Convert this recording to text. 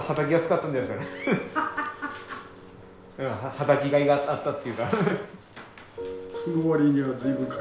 はたきがいがあったっていうか。